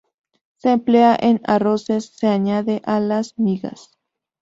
Se emplea en arroces, se añade a las migas.